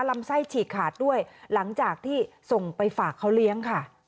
ลำไส้ฉีกขาดด้วยหลังจากที่ส่งไปฝากเขาเลี้ยงค่ะ